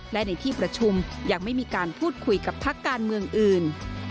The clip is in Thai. และในที่ประชุมยังไม่มีการพูดคุยกับพักการเมืองอื่น